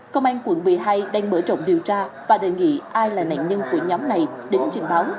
công an quận một mươi hai đang mở rộng điều tra và đề nghị ai là nạn nhân của nhóm này đến trình báo